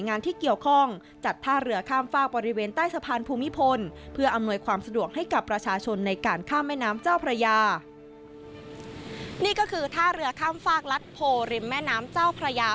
นี่ก็คือท่าเรือข้ามฝากรัฐโพริมแม่น้ำเจ้าพระยา